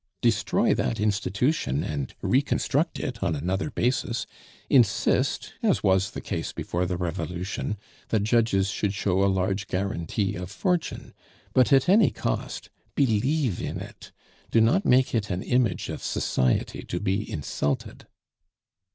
Destroy that institution, and reconstruct it on another basis; insist as was the case before the Revolution that judges should show a large guarantee of fortune; but, at any cost, believe in it! Do not make it an image of society to be insulted!